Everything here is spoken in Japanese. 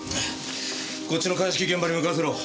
こっちの鑑識現場に向かわせろ。